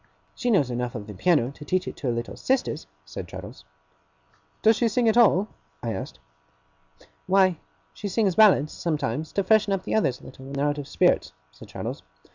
'She knows enough of the piano to teach it to her little sisters,' said Traddles. 'Does she sing at all?' I asked. 'Why, she sings ballads, sometimes, to freshen up the others a little when they're out of spirits,' said Traddles.